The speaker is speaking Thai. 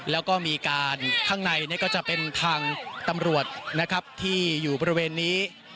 แล้วก็มีการข้างในก็จะเป็นทางตำรวจนะครับที่อยู่บริเวณนี้